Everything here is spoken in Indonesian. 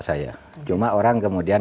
saya cuma orang kemudian